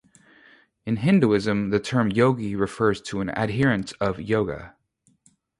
In Hinduism the term "yogi" refers to an adherent of yoga.